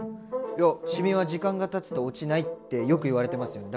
いやシミは時間がたつと落ちないってよく言われてますよね。